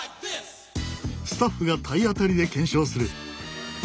スタッフが体当たりで検証する。